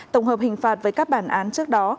tổng hợp hình phạt với các bản án trước đó